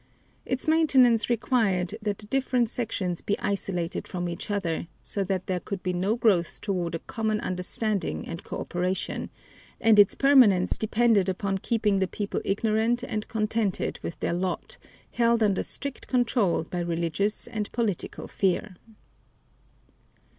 Its maintenance required that the different sections be isolated from each other so that there could be no growth toward a common understanding and coöperation, and its permanence depended upon keeping the people ignorant and contented with their lot, held under strict control by religious and political fear.